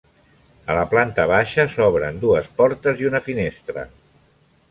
A la planta baixa s'obren dues portes i una finestra.